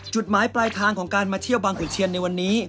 จุดหมายปลายทางของการมาเที่ยวบางกุเชียนในวันนี้